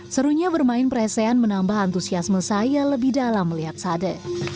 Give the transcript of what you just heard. serunya bermain presean menambah antusiasme saya lebih dalam melihat sade